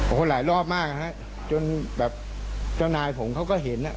โอ้โหหลายรอบมากฮะจนแบบเจ้านายผมเขาก็เห็นอ่ะ